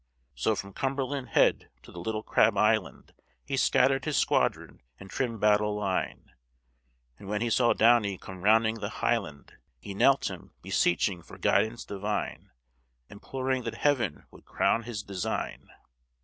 So from Cumberland Head to the little Crab Island He scattered his squadron in trim battle line; And when he saw Downie come rounding the highland, He knelt him, beseeching for guidance divine, Imploring that Heaven would crown his design.